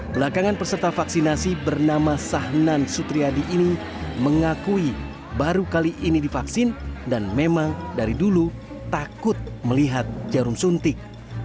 belakangan peserta vaksinasi bernama sahnan sutriadi ini mengakui baru kali ini divaksin dan memang dari dulu takut melihat jarum suntik